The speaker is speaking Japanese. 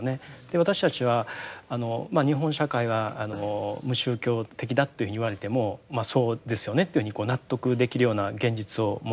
私たちは日本社会が無宗教的だというふうに言われてもまっそうですよねというふうに納得できるような現実を持っています。